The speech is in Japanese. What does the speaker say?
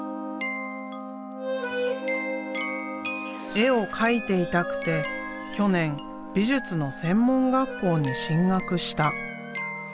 絵を描いていたくて去年美術の専門学校に進学した。